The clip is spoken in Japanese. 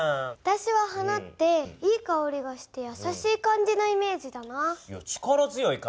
私は花っていいかおりがしてやさしい感じのイメージだな。